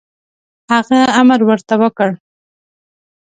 هغه امر ورته وکړ.